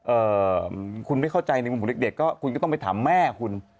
เอ่อคุณไม่เข้าใจหนึ่งผมเด็กก็คุณก็ต้องไปถามแม่คุณ